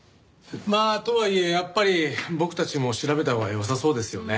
まあとはいえやっぱり僕たちも調べたほうがよさそうですよね。